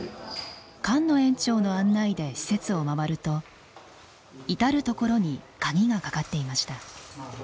菅野園長の案内で施設をまわると至る所に鍵がかかっていました。